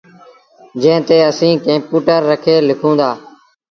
جݩهݩ تي اسيٚݩ ڪمپيوٽر رکي لکون دآ۔